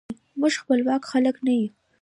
موږ خپواک خلک نه یو.